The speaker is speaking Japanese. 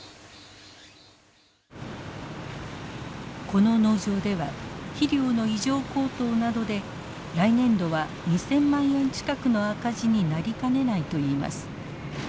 この農場では肥料の異常高騰などで来年度は２，０００万円近くの赤字になりかねないといいます。